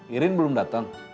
irin belum dateng